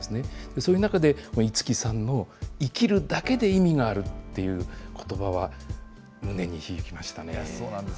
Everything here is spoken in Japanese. そういう中で、五木さんの生きるだけで意味があるっていうことばそうなんです。